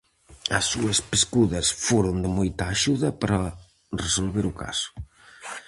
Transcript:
As súas pescudas foron de moita axuda para resolver o caso.